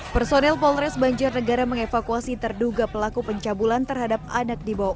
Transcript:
personel polres banjarnegara mengevakuasi terduga pelaku pencabulan terhadap anak dibawa